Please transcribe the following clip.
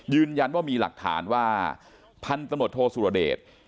ยืนยันว่ามีหลักฐานว่าพันธนโทษศุรเดช